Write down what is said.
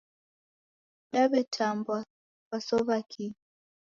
Dawetambwa kwasowa kii